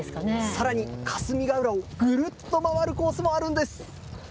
さらに、霞ヶ浦をぐるっと回るコースもあるんです。